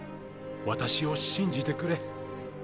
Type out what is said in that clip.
私を信じてくれ。